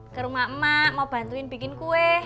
ke rumah emak emak mau bantuin bikin kue